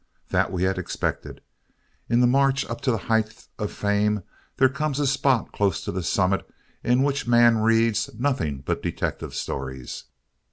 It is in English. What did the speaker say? That we had expected. In the march up to the heights of fame there comes a spot close to the summit in which man reads "nothing but detective stories."